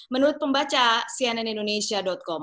menurut pembaca cnn indonesia com